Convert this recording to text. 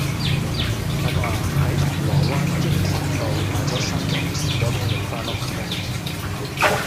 亞爸喺銅鑼灣益群道買左三磅士多啤梨返屋企